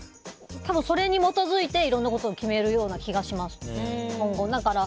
それに基づいていろんなことを決めるような気がします、今後。